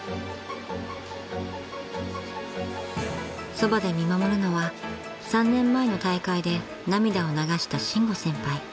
［そばで見守るのは３年前の大会で涙を流した］